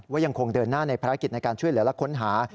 ยังคงเดินหน้าในภารกิจในการช่วยเหลือและค้นหา